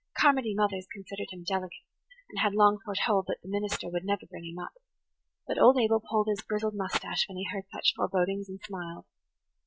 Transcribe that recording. Carmody mothers considered him delicate, and had long foretold that the minister would never bring him up; but old Abel pulled his grizzled moustache when he heard such forebodings and smiled.